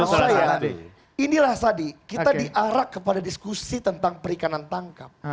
dan saya inilah sadi kita diarak kepada diskusi tentang perikanan tangkap